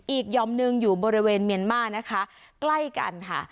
หย่อมหนึ่งอยู่บริเวณเมียนมานะคะใกล้กันค่ะ